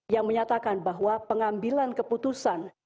yang menyatakan bahwa pengambilan keputusan